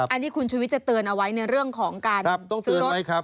อันนี้คุณชุวิตจะเตือนเอาไว้ในเรื่องของการซื้อรถ